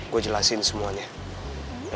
gue jelasin semuanya